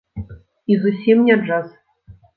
І зусім не джаз.